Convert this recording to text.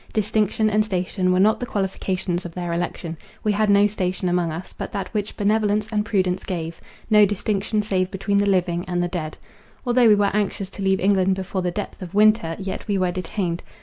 Distinction and station were not the qualifications of their election. We had no station among us, but that which benevolence and prudence gave; no distinction save between the living and the dead. Although we were anxious to leave England before the depth of winter, yet we were detained.